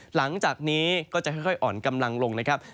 หลังจากนี้ก็จะค่อยอ่อนกำลังลงนะครับ